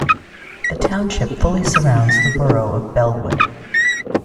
The township fully surrounds the borough of Bellwood.